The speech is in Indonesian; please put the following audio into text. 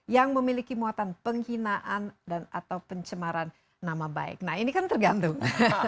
yang memiliki muatan penghinaan dan atau pencemaran nama baik nah ini kan tergantung